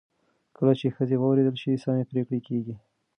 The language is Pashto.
کله چې ښځې واورېدل شي، سمې پرېکړې کېږي.